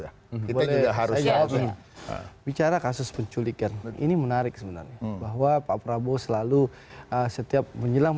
boleh harusnya bicara kasus penculikan ini menarik semenannya bahwa pak prabowo selalu setiap menjelang